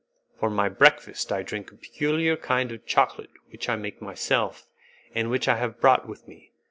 For my breakfast I drink a peculiar kind of chocolate which I make myself, and which I have brought with me.